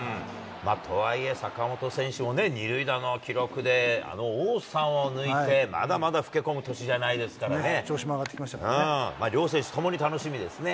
とはいえ、坂本選手も、２塁打の記録で、王さんを抜いて、まだまだ老け込む年じゃないです調子も上がってきましたから両選手ともに楽しみです。